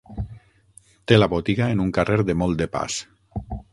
Té la botiga en un carrer de molt de pas.